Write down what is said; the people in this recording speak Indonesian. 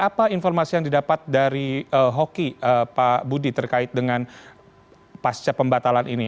apakah ada pendapat dari hoki pak budi terkait dengan pasca pembatalan ini